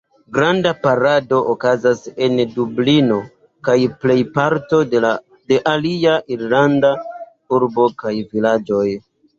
Granda parado okazas en Dublino kaj plejparto de aliaj Irlandaj urboj kaj vilaĝoj.